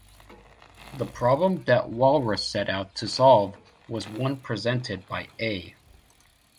The problem that Walras set out to solve was one presented by A.